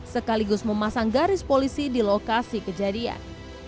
sekaligus memasang garis polisi di lokasi kejadian